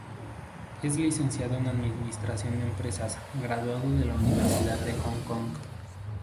Es licenciado en Administración de Empresas graduado en la Universidad de Hong Kong.